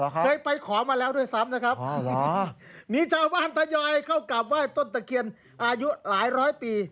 เคยไปขอมาแล้วด้วยซ้ำนะครับมีชาวบ้านทยอยเข้ากราบไหว้ต้นตะเคียนอายุหลายร้อยปี